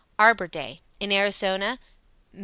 Arbor Day. In Ariz., Me.